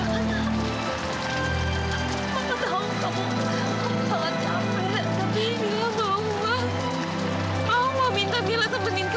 dan aku nggak kenal siapa wanita itu